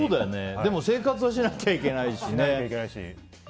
でも生活はしなきゃいけないしね。